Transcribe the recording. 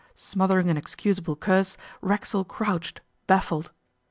Smothering an excusable curse, Racksole crouched, baffled.